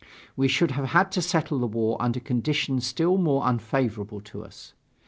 We should have had to settle the war under conditions still more unfavorable to us.